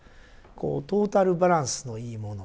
こうトータルバランスのいいもの。